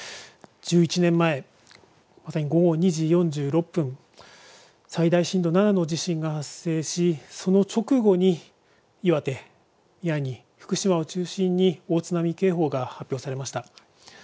１１年前、午後２時４６分最大震度７の地震が発生しその直後に岩手、宮城、福島を中心に大津波警報が発表されました。